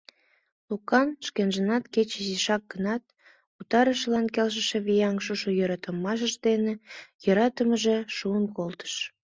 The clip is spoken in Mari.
Лукан шкенжынат кеч изишак гынат Утарышылан келшыше вияҥ шушо йӧратымашыж дене йӧратымыже шуын колтыш.